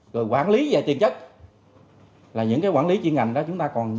rồi quản lý về tiền chất là những cái quản lý chuyên ngành đó chúng ta còn sơ hở